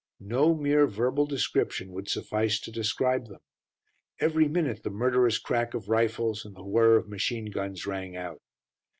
No mere verbal description would suffice to describe them. Every minute the murderous crack of rifles and the whir of machine guns rang out.